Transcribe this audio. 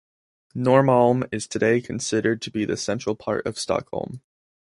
Norrmalm is today considered to be the central part of Stockholm.